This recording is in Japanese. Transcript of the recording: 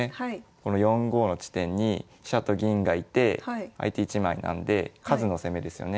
この４五の地点に飛車と銀がいて相手１枚なんで数の攻めですよね。